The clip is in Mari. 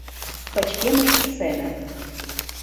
Пычкемыш сцена.